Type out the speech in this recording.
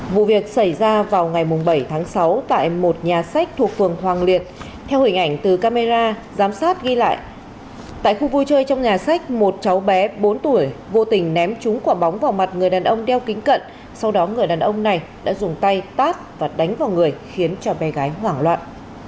vụ việc xảy ra vào ngày bảy tháng sáu tại một nhà sách thuộc phường hoàng liệt theo hình ảnh từ camera giám sát ghi lại tại khu vui chơi trong nhà sách một cháu bé bốn tuổi vô tình ném trúng quả bóng vào mặt người đàn ông đeo kính cận sau đó người đàn ông này đã dùng tay tát và đánh vào người khiến cho bé gái hoảng loạn